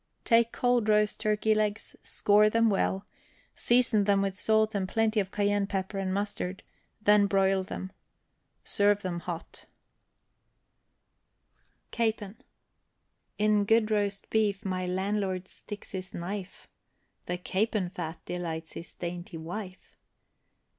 Take cold roast turkey legs, score them well, season them with salt and plenty of cayenne pepper and mustard, then broil them. Serve them hot. CAPON. In good roast beef my landlord sticks his knife, The capon fat delights his dainty wife.